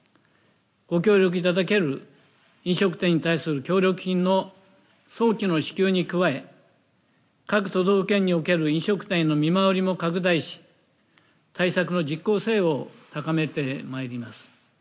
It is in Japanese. ご協力いただける飲食店に対する協力金の早期の支給に加え各都道府県における見回りを行い対策の実効性を高めてまいります。